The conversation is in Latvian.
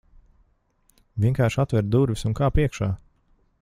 Vienkārši atver durvis, un kāp iekšā.